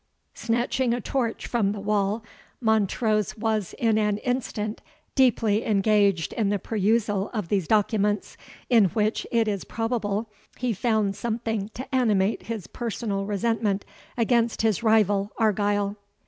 Snatching a torch from the wall, Montrose was in an instant deeply engaged in the perusal of these documents, in which it is probable he found something to animate his personal resentment against his rival Argyle.